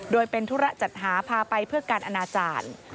โดยเป็นธุระจัดหาพาไปเพื่อการอนาจารย์